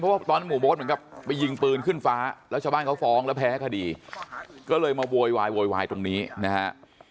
ว่าตอนหมู่โบ๊ทเหมือนกับไปยิงปืนขึ้นฟ้าแล้วชาวบ้านเขาฟ้องแล้วแพ้คดีก็เลยมาโวยวายโวยวายตรงนี้นะฮะ